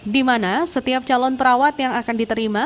di mana setiap calon perawat yang akan diterima